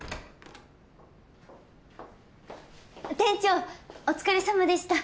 店長お疲れさまでした。